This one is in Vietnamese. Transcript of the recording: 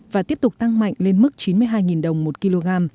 và tiếp tục tăng mạnh lên mức chín mươi hai đồng một kg